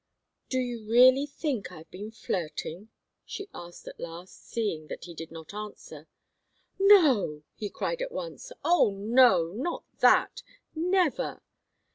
"Do you really think I've been flirting?" she asked at last, seeing that he did not answer. "No!" he cried, at once. "Oh, no not that! Never.